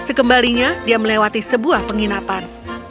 sekembalinya dia melewati sebuah penginapan